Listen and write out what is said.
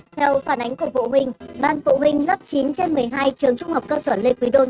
theo phản ánh của phụ huynh ban phụ huynh lớp chín trên một mươi hai trường trung học cơ sở lê quý đôn